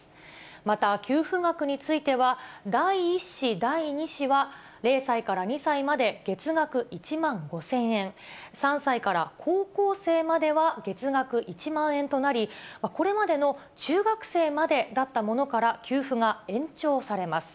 また給付額については、第１子、第２子は、０歳から２歳まで月額１万５０００円、３歳から高校生までは月額１万円となり、これまでの中学生までだったものから給付が延長されます。